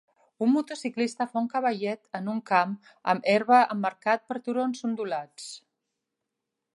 Un motociclista fa un cavallet en un camp amb herba emmarcat per turons ondulats